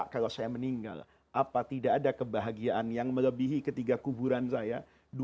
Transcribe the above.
kalau saya meninggal apa tidak ada kebahagiaan yang melebihi ketiga kuburan saya